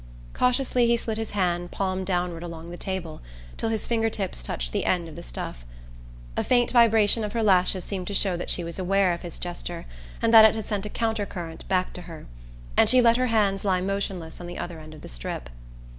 Cautiously he slid his hand palm downward along the table till his finger tips touched the end of the stuff. A faint vibration of her lashes seemed to show that she was aware of his gesture, and that it had sent a counter current back to her; and she let her hands lie motionless on the other end of the strip.